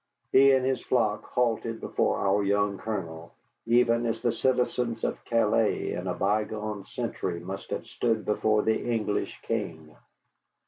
He and his flock halted before our young Colonel, even as the citizens of Calais in a bygone century must have stood before the English king.